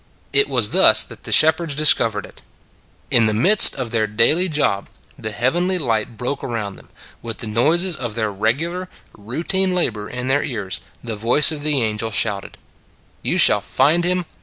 It was thus that the shepherds dis covered it. In the midst of their daily job the heav enly light broke around them: with the noises of their regular, routine labor in their ears, the voice of the angel sounded: " Ye shall find Him